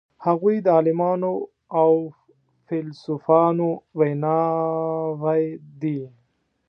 هغوی د عالمانو او فیلسوفانو ویناوی دي.